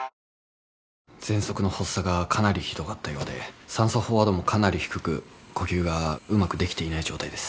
ぜんそくの発作がかなりひどかったようで酸素飽和度もかなり低く呼吸がうまくできていない状態です。